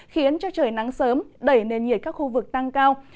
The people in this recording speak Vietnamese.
khiến cho trời nắng sớm đẩy nền nhiệt các khu vực tăng cao